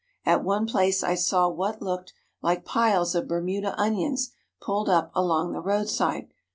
At one place I saw what looked like piles of Bermuda onions pulled up along the road side.